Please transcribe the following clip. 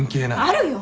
あるよ！